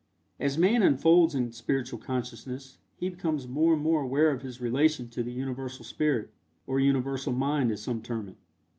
As man unfolds in spiritual consciousness he becomes more and more aware of his relation to the Universal Spirit, or Universal Mind as some term it.